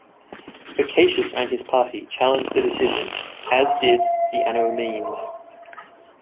Acacius and his party challenged the decisions, as did the Anomoeans.